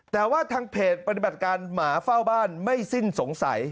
แต่ว่าทางเพจปฏิบัติการหมาเฝ้าบ้านไม่สิ้นสงสัย